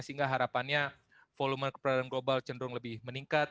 sehingga harapannya volume keberadaan global cenderung lebih meningkat